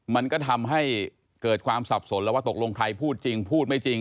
มันก็ทำให้เกิดความสับสนแล้วว่าตกลงใครพูดจริงพูดไม่จริง